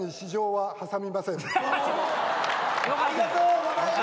ありがとうございます！